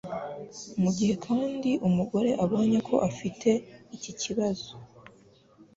Mu gihe kandi umugore abonye ko afite iki kibazo